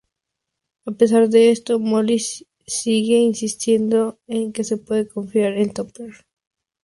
A pesar de esto, Molly sigue insistiendo en que se puede confiar en Topher.